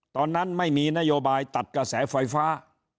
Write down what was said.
ตอนนั้นไม่มีนโยบายตัดกระแสไฟฟ้า